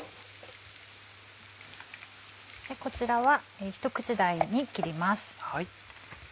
でこちらは一口大に切ります。